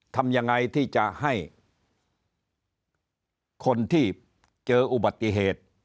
ทำยังไงที่จะให้คนที่เจออุบัติเหตุ